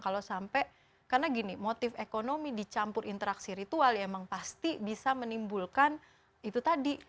kalau sampai karena gini motif ekonomi dicampur interaksi ritual ya emang pasti bisa menimbulkan itu tadi